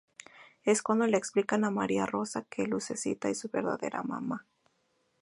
Es cuando le explican a María Rosa que Lucecita es su verdadera mamá.